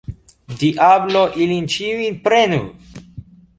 Diablo ilin ĉiujn prenu!